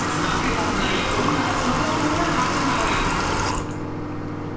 ［負けたくない女たちのバトルが始まる］